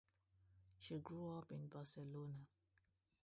She grew up in Barcelona.